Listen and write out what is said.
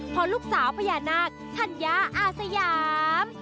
เพราะลูกสาวพญานาคธัญญาอาสยาม